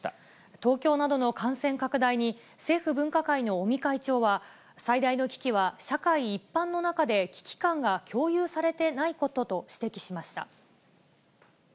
東京などの感染拡大に、政府分科会の尾身会長は、最大の危機は社会一般の中で、危機感が共有されてないことと指摘しました。